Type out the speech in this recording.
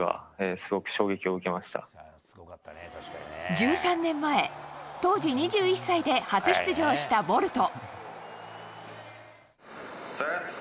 １３年前、当時２１歳で初出場したボルト。